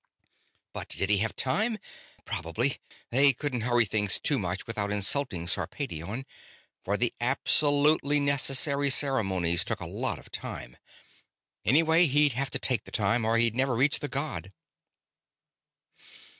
But did he have time? Probably. They couldn't hurry things too much without insulting Sarpedion, for the absolutely necessary ceremonies took a lot of time. Anyway, he'd have to take the time, or he'd never reach the god.